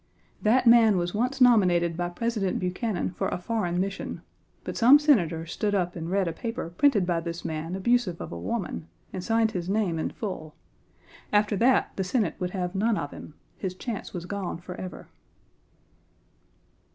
"That man was once nominated by President Buchanan for a foreign mission, but some Senator stood up and read a paper printed by this man abusive of a woman, and signed by his name in full. After that the Senate would have none of him; his chance was gone forever."